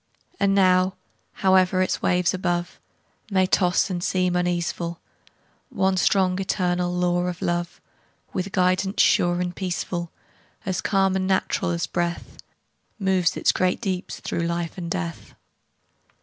And now, howe'er its waves above May toss and seem uneaseful, One strong, eternal law of Love, With guidance sure and peaceful, As calm and natural as breath, Moves its great deeps through life and death.